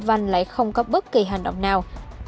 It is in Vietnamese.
vành lại không có bất kỳ hành động nào